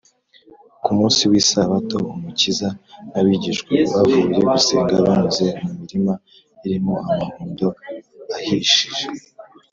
ku munsi w’isabato, umukiza n’abigishwa be bavuye gusenga, banyuze mu mirima irimo amahundo ahishije